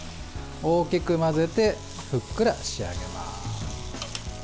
大きく混ぜてふっくら仕上げます。